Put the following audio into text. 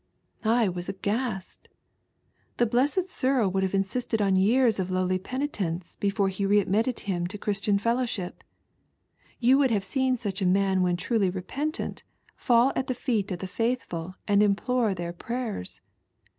I was aghast. " The Blessed Cyril would have insisted on years of lowly penitence before he re admitted him to Christian fellowship. You would have seen such a man when truly repentant fall at tbe feet of the faithful and implore their prayers.